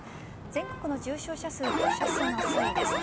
全国の重症者数と死者数の推移です。